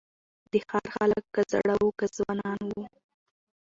د ښار خلک که زاړه وه که ځوانان وه